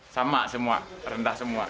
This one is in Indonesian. sama semua rendah semua